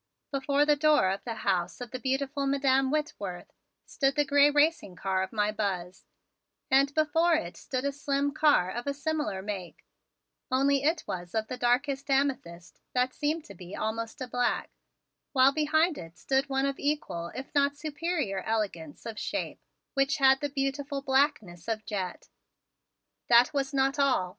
Before the door of the house of the beautiful Madam Whitworth stood the gray racing car of my Buzz, and before it stood a slim car of a similar make, only it was of the darkest amethyst that seemed to be almost a black, while behind it stood one of equal if not superior elegance of shape which had the beautiful blackness of jet. That was not all!